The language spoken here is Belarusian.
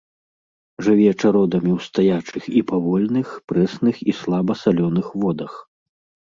Жыве чародамі ў стаячых і павольных прэсных і слаба салёных водах.